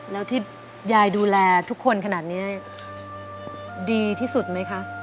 แล้วที่ยายดูแลทุกคนขนาดนี้ดีที่สุดไหมคะ